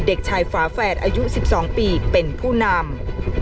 เด็กชายฝาแฝดอายุ๑๒ปีเป็นผู้นำ